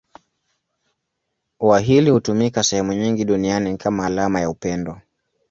Ua hili hutumika sehemu nyingi duniani kama alama ya upendo.